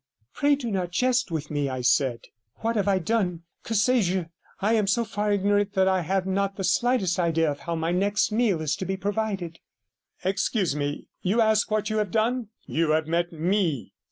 'Pray do not jest with me,' I said. 'What have I done, que sais je! I am so far ignorant that I have not the slightest idea of how my next meal is to be provided.' 'Excuse me. You ask what you have done. You have met me.